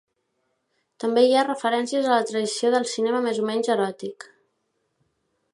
També hi ha referències a la tradició del cinema més o menys eròtic.